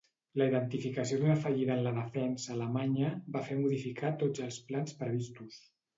La identificació d'una fallida en la defensa alemanya va fer modificar tots els plans previstos.